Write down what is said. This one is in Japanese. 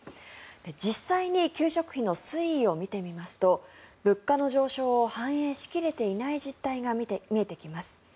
実際に給食費の推移を見てみますと物価の上昇を反映しきれていない実態が見えてきます。